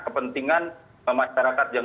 kepentingan masyarakat yang